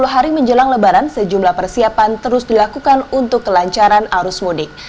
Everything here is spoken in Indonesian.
sepuluh hari menjelang lebaran sejumlah persiapan terus dilakukan untuk kelancaran arus mudik